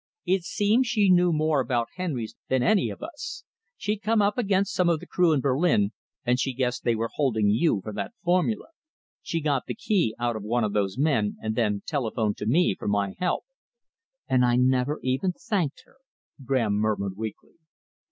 It seems she knew more about Henry's than any of us. She'd come up against some of the crew in Berlin, and she guessed they were holding you for that formula. She got the key out of one of those men and then telephoned to me for my help." "And I never even thanked her," Graham murmured weakly.